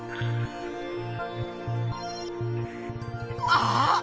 あっ！